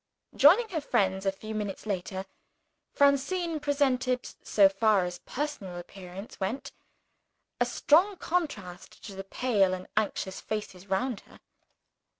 Joining her friends a few minutes later, Francine presented, so far as personal appearance went, a strong contrast to the pale and anxious faces round her.